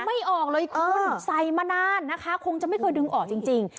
ไม่ออกเลยคุณใส่มานานนะคะคงจะไม่เคยดึงออกจริง